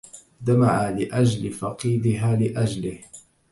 دمعاً لأَجل فقيدها لا أَجلهِ